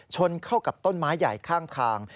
ชนเข้ากับต้นไม้ใหญ่ข้างทาง